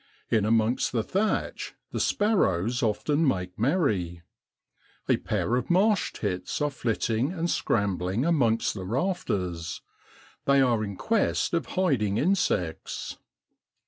In amongst the thatch the sparrows often make merry. A pair of marsh tits are flitting and scrambling amongst the rafters; they are in quest of hiding insects.